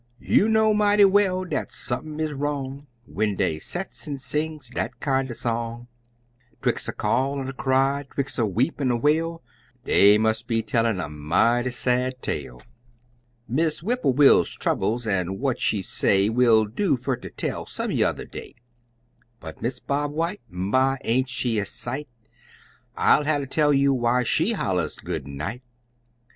You know mighty well dat sump'n is wrong When dey sets an' sings dat kinder song, 'Twix' a call an' a cry, 'twix' a weep an' a wail Dey must be tellin' a mighty sad tale. Miss Whipperwill's troubles, an' what she say Will do fer ter tell some yuther day; But Miss Bob White my! aint she a sight? I'll hatter tell why she hollers Good night.